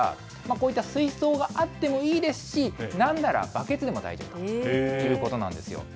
ですから、こういった水槽があってもいいですし、なんならバケツでも大丈夫ということなんですよ。